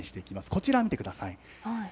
こちら、見てください。